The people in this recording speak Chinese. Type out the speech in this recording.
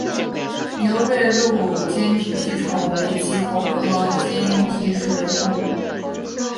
牛背鹭坚体吸虫为棘口科坚体属的动物。